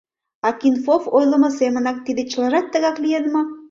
— Акинфов ойлымо семынак тиде чылажат тыгак лийын мо?